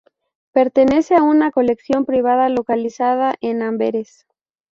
Pertenece a una colección privada localizada en Amberes.